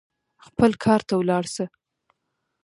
خپل کار ته ولاړ سه.